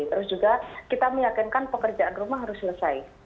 terus juga kita meyakinkan pekerjaan rumah harus selesai